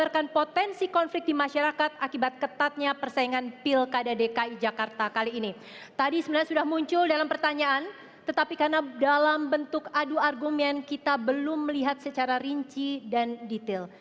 kami akan melihat secara rinci dan detail